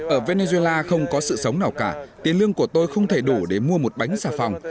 ở venezuela không có sự sống nào cả tiền lương của tôi không thể đủ để mua một bánh xà phòng